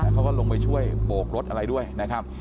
เขาก็ลงไปช่วยโบกรถอะไรด้วยนะครับ